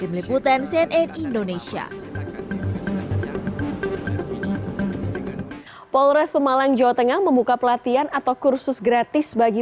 dan meliputan cnn indonesia polres pemalang jawa tengah membuka pelatihan atau kursus gratis bagi